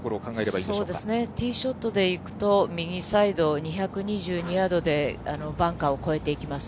そうですね、まずティーショットでいくと、右サイド２２２ヤードでバンカーを越えていきます。